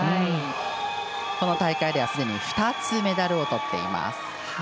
この大会では、すでに２つメダルをとっています。